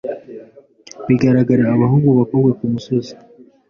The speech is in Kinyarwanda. bigaragara Abahungu bakobwa kumusozi